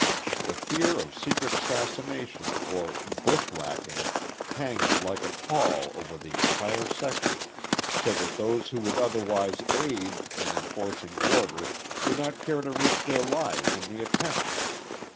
The fear of secret assassination or "bushwhacking" hangs like a pall over the entire section, so that those who would otherwise aid in enforcing order do not care to risk their lives in the attempt.